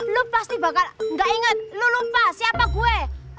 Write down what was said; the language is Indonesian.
lo pasti bakal gak inget lu lupa siapa gue